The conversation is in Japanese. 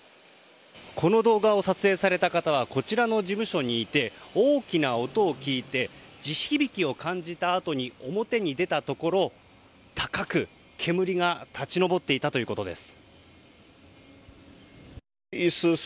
この動画を撮影された方はこちらの事務所にいて大きな音を聞いて地響きを感じたあとに表に出たところ、高く煙が立ち上っていたということです。